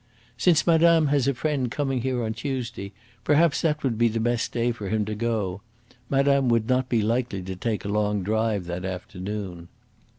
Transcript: "Since madame has a friend coming here on Tuesday, perhaps that would be the best day for him to go. Madame would not be likely to take a long drive that afternoon."